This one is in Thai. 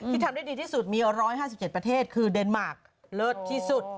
ทำได้ดีที่สุดมี๑๕๗ประเทศคือเดนมาร์คเลิศที่สุด